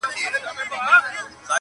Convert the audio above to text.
حق څوک نه سي اخیستلای په زاریو -